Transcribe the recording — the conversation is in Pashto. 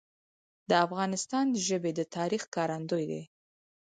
د افغانستان ژبي د تاریخ ښکارندوی دي.